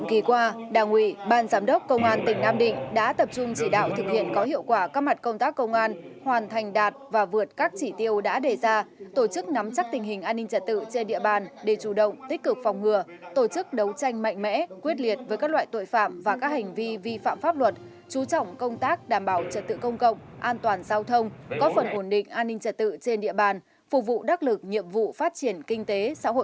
kỳ qua đảng ủy ban giám đốc công an tỉnh nam định đã tập trung chỉ đạo thực hiện có hiệu quả các mặt công tác công an hoàn thành đạt và vượt các chỉ tiêu đã đề ra tổ chức nắm chắc tình hình an ninh trật tự trên địa bàn để chủ động tích cực phòng ngừa tổ chức đấu tranh mạnh mẽ quyết liệt với các loại tội phạm và các hành vi vi phạm pháp luật chú trọng công tác đảm bảo trật tự công cộng an toàn giao thông có phần ổn định an ninh trật tự trên địa bàn phục vụ đắc lực nhiệm vụ phát triển kinh tế